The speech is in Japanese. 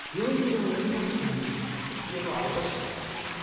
家の青写真です。